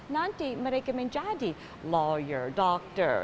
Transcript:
nanti mereka menjadi jururawat dokter